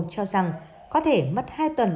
cho rằng có thể mất hai tuần